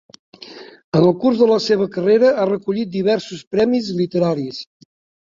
En el curs de la seva carrera ha recollit diversos premis literaris.